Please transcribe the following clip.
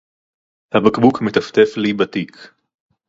הבקבוק מטפטף לי בתיק.